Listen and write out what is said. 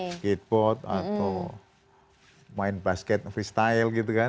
skateboard atau main basket freestyle gitu kan